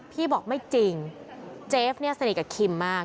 พี่บอกไม่จริงเจฟเนี่ยสนิทกับคิมมาก